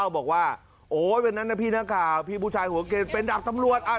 บอกว่าโอ้ยวันนั้นนะพี่นักข่าวพี่ผู้ชายหัวเกณฑ์เป็นดาบตำรวจ